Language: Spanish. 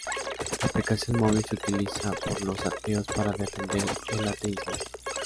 La aplicación móvil se utiliza por los ateos para defender el ateísmo.